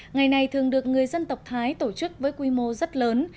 ngày này thường được người dân tộc thái tổ chức với quy mô rất lớn